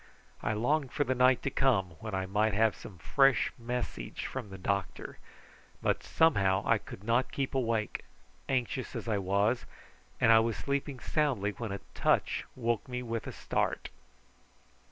I longed for the night to come that I might have some fresh message from the doctor, but somehow I could not keep awake, anxious as I was, and I was sleeping soundly when a touch awoke me with a start.